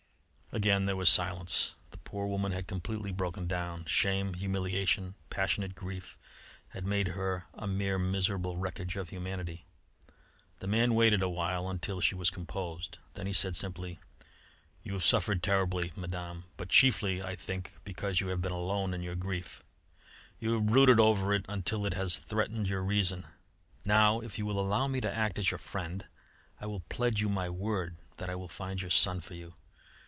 Again there was silence. The poor woman had completely broken down. Shame, humiliation, passionate grief, had made of her a mere miserable wreckage of humanity. The man waited awhile until she was composed, then he said simply: "You have suffered terribly, Madame; but chiefly, I think, because you have been alone in your grief. You have brooded over it until it has threatened your reason. Now, if you will allow me to act as your friend, I will pledge you my word that I will find your son for you.